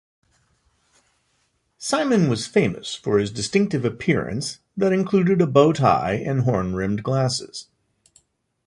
Simon was famous for his distinctive appearance that included a bowtie and horn-rimmed glasses.